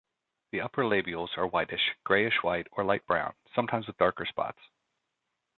The upper labials are whitish, greyish-white or light brown, sometimes with darker spots.